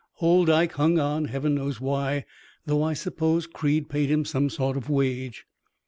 Old Ike hung on, Heaven knows why, though I suppose Creed paid him some sort of wage.